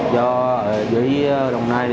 do ở dưới đồng nai